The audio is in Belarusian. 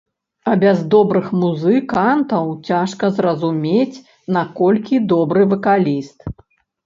А без добрых музыкантаў цяжка зразумець, наколькі добры вакаліст.